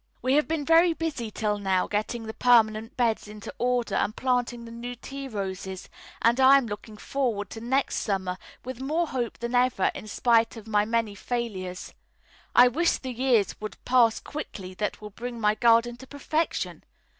We have been very busy till now getting the permanent beds into order and planting the new tea roses, and I am looking forward to next summer with more hope than ever in spite of my many failures. I wish the years would pass quickly that will bring my garden to perfection!